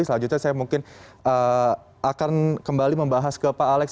selanjutnya saya mungkin akan kembali membahas ke pak alex